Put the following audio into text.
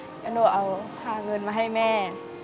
แล้วหนูเอาหาเงินมาให้แม่